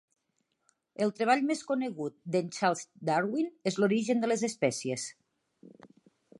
El treball més conegut d'en Charles Darwin és L'origen de les espècies.